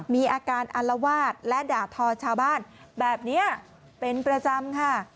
มีอาการอารวาสและด่าทอชาวบ้านแบบนี้เป็นประจำค่ะ